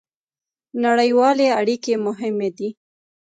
نړیوالې اړیکې مهمې دي